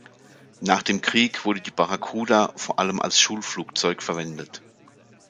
Nach dem Krieg wurde die "Barracuda" vor allem als Schulflugzeug verwendet.